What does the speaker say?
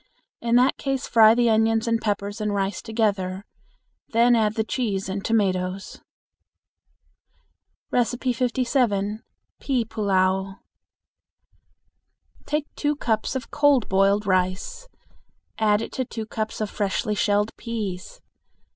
In that case fry the onions and peppers and rice together. Then add the cheese and tomatoes. 57. Pea Pullao. Take two cups of cold boiled rice, add to it two cups of freshly shelled peas.